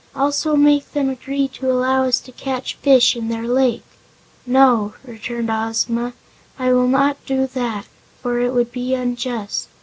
Also make them agree to allow us to catch fish in their lake." "No," returned Ozma, "I will not do that, for it would be unjust.